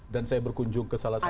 dan saya berkunjung ke salah satu